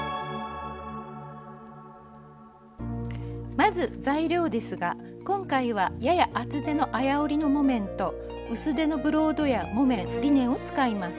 まず材料ですが今回はやや厚手の綾織りの木綿と薄手のブロードや木綿リネンを使います。